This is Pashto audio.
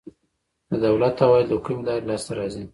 د دولت عواید له کومې لارې لاسته راځي؟